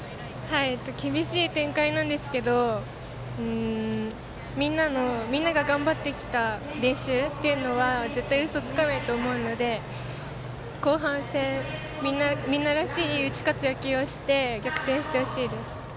厳しい展開なんですけどみんなが頑張ってきた練習っていうのは絶対にうそをつかないと思うので後半戦、みんならしい打ち勝つ野球をして逆転してほしいです。